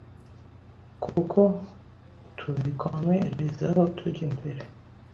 kuko tubikomerezaho tujya imbere